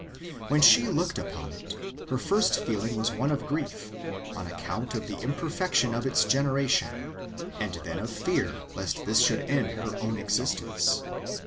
^ When she looked upon it, her first feeling was one of grief, on account of the imperfection of its generation, and then of fear lest this should end^ her own existence.